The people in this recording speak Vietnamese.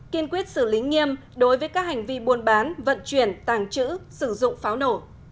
kiên quyết xử lý nghiêm đối với các hành vi buôn bán vận chuyển tàng trữ sử dụng pháo nổ